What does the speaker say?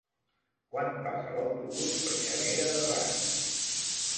Quan passa l'autobús per Llanera de Ranes?